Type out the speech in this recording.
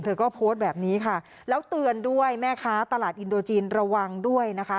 เธอก็โพสต์แบบนี้ค่ะแล้วเตือนด้วยแม่ค้าตลาดอินโดจีนระวังด้วยนะคะ